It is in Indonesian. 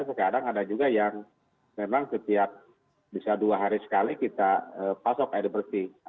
sekarang ada juga yang memang setiap bisa dua hari sekali kita pasok air bersih